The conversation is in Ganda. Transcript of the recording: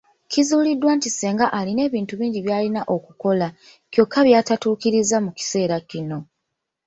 Kizuuliddwa nti Ssenga alina ebintu bingi byayina okukola, kyokka byatatuukiriza mu kiseera kino.